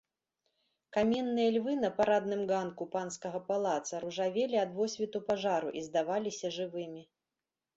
Каменныя львы на парадным ганку панскага палаца ружавелі ад водсвету пажару і здаваліся жывымі.